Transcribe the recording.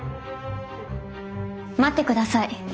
待ってください。